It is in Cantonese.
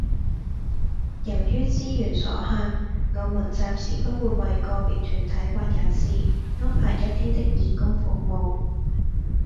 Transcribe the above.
由於資源所限，我們暫時不會為個別團體或人士安排一天的義工服務